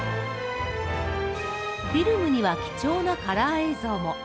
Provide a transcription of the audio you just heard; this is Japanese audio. フィルムには貴重なカラー映像も。